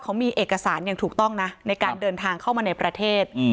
เขามีเอกสารอย่างถูกต้องนะในการเดินทางเข้ามาในประเทศ